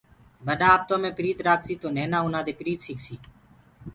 ٻڏآ آپتو مي پريت رآکسيٚ تو نهينآ آُنآ دي پريت سيٚڪسيٚ